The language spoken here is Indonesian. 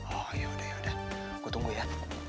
oh ya udah ya udah gue tunggu ya